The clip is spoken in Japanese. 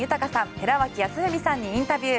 寺脇康文さんにインタビュー。